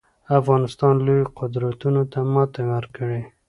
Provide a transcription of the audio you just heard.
افغانستان لویو قدرتونو ته ماتې ورکړي